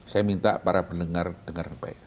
saya minta para pendengar dengar baik